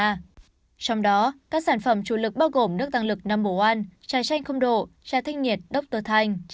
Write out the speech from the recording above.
trong đó các sản phẩm chủ lực bao gồm nước tăng lực no một trà chanh không độ trà thanh nhiệt dr thanh